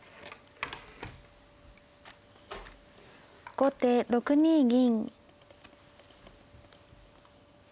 後手６二銀。